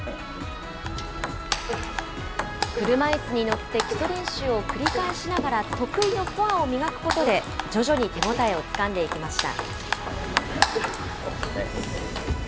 車いすに乗って基礎練習を繰り返しながら、得意のフォアを磨くことで、徐々に手応えをつかんでいきました。